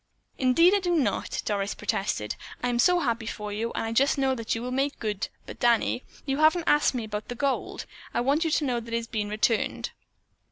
"Indeed I do not," Doris protested. "I'm so happy for you, and I just know that you will make good, but, Danny, you haven't asked me about the gold. I want you to know that it has been returned."